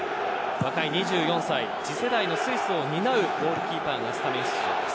若い２４歳、次世代のスイスを担うゴールキーパーです。